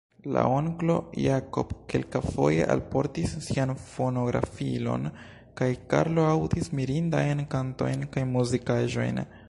La onklo Jako kelkafoje alportis sian fonografilon, kaj Karlo aŭdis mirindajn kantojn kaj muzikaĵojn.